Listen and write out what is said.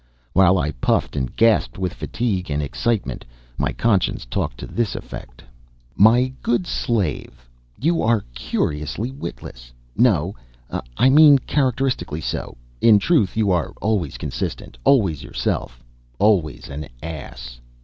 While I puffed and gasped with fatigue and excitement, my Conscience talked to this effect: "My good slave, you are curiously witless no, I mean characteristically so. In truth, you are always consistent, always yourself, always an ass.